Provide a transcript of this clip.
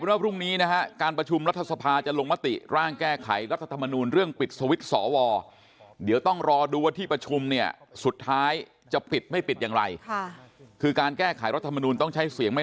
วันนี้ผมไม่เหลือหนี้กรยศไม่แต่บาทเดียวครับ